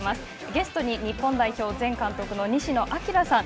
ゲストに日本代表前監督の西野朗さん